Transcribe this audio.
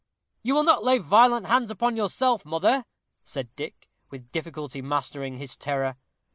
"You will not lay violent hands upon yourself, mother?" said Dick, with difficulty mastering his terror.